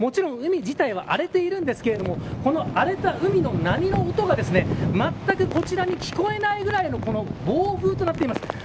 もちろん海自体は荒れているんですけどこの荒れた海の波の音がまったくこちらに聞こえないぐらいの暴風となっています。